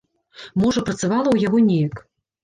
Можа, працавала ў яго неяк.